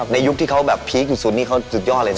ในยุคที่เค้าพีคสุดนี้เค้าสุดยอดเลยนะ